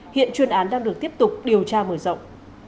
hiện chuyên án đang được tiếp tục điều tra mở rộng